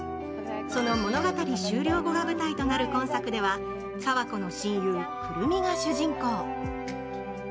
その物語終了後が舞台となる今作ては爽子の親友・くるみが主人公。